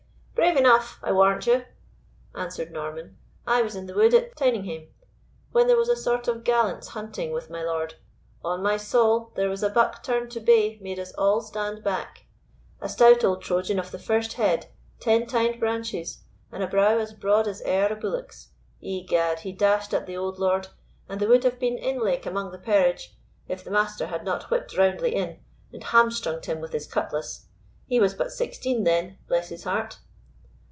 —brave enough, I warrant you," answered Norman. "I was in the wood at Tyninghame when there was a sort of gallants hunting with my lord; on my saul, there was a buck turned to bay made us all stand back—a stout old Trojan of the first head, ten tyned branches, and a brow as broad as e'er a bullock's. Egad, he dashed at the old lord, and there would have been inlake among the perrage, if the Master had not whipt roundly in, and hamstrung him with his cutlass. He was but sixteen then, bless his heart!"